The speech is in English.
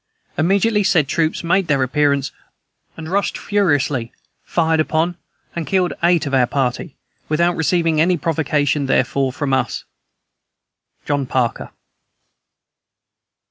Immediately said troops made their appearance, and rushed furiously, fired upon, and killed eight of our party, without receiving any provocation therefor from us. "JOHN PARKER."